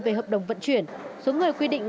về hợp đồng vận chuyển số người quy định